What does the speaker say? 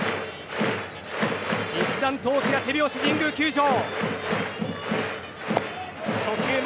一段と大きな手拍子、神宮球場。